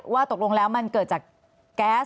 ว่าตกลงแล้วมันเกิดจากแก๊ส